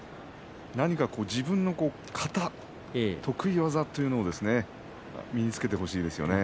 何か自分の型、得意技というのを身につけてほしいですよね。